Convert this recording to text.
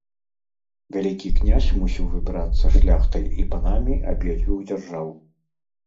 Вялікі князь мусіў выбірацца шляхтай і панамі абедзвюх дзяржаў.